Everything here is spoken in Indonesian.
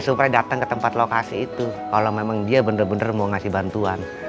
supaya datang ke tempat lokasi itu kalau memang dia benar benar mau ngasih bantuan